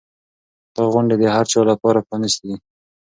دا غونډې د هر چا لپاره پرانیستې دي.